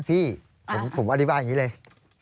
พี่ผมอธิบายอย่างนี้เลย